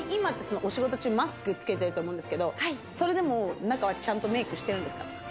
お仕事中、マスクつけてると思うんですが、中は、ちゃんとメイクしてるんですか？